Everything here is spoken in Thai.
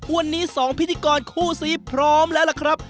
วันนี้สองพิทธิกรคู่สิรคพร้อมแล้วล่ะครับ